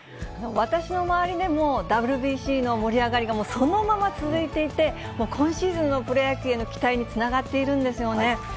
私の周りでも、ＷＢＣの盛り上がりがそのまま続いていて、今シーズンのプロ野球への期待につながっているんですよね。